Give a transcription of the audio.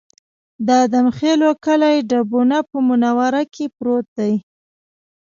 د ادم خېلو کلی ډبونه په منوره کې پروت دی